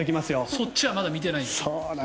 そっちはまだ見てないんだよな。